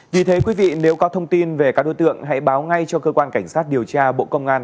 vì thế quý vị nếu có thông tin về các đối tượng hãy báo ngay cho cơ quan cảnh sát điều tra bộ công an